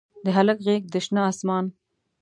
د هلک غیږ د شنه اسمان